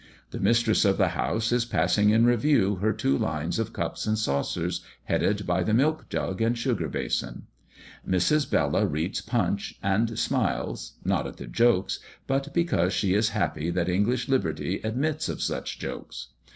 The mistress of the house is passing in review her two lines of cups and saucers, headed by the milk jug and sugar basin. Mrs. Bella reads Punch, and smiles, not at the jokes, but because she is happy that English liberty admits of such jokes.